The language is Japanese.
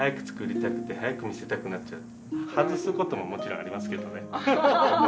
外すことももちろんありますけどね。